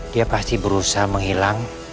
dia pasti berusaha menghilang